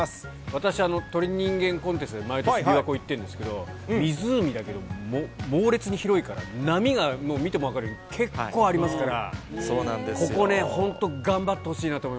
私、鳥人間コンテストで毎年、びわ湖行ってるんですけど、湖だけど猛烈に広いから、波がもう、見ても分かるように結構ありますから。